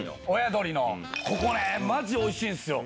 ここマジおいしいんすよ